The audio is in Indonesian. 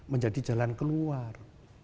menjadi jalan keluar